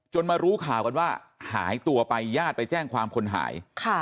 มารู้ข่าวกันว่าหายตัวไปญาติไปแจ้งความคนหาย